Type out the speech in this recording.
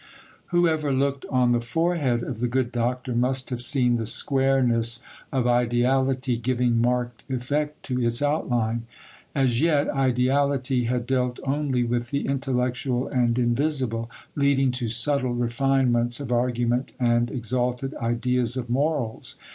Whoever looked on the forehead of the good Doctor must have seen the squareness of ideality giving marked effect to its outline. As yet ideality had dealt only with the intellectual and invisible, leading to subtile refinements of argument and exalted ideas of morals.